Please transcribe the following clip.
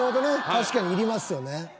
確かにいりますよね。